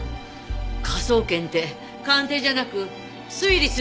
科捜研って鑑定じゃなく推理する部署だった？